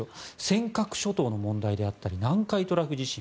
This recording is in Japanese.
尖閣諸島の問題であったり南海トラフ地震。